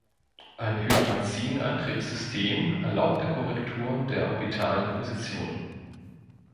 Ein Hydrazin-Antriebssystem erlaubte Korrekturen der orbitalen Position.